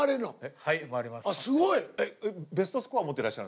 はい。